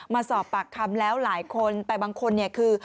มาสอบปากคำแล้วหลายคนแต่บางคนเนี่ยคือ